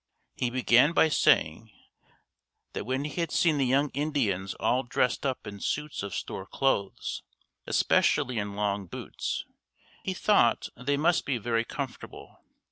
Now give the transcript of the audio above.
He began by saying that when he had seen the young Indians all dressed up in suits of store clothes, especially in long boots, he thought, they must be very comfortable.